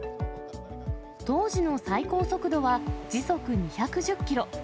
当時の最高速度は時速２１０キロ。